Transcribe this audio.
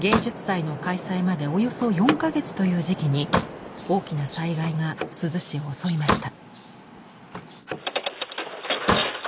芸術祭の開催までおよそ４か月という時期に大きな災害が珠洲市を襲いました。